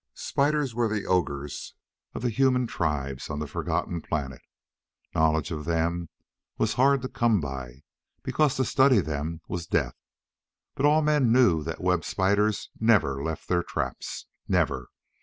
Spiders were the ogres of the human tribes on the forgotten planet. Knowledge of them was hard to come by, because to study them was death. But all men knew that web spiders never left their traps. Never!